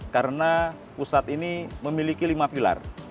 karena pusat ini memiliki lima pilar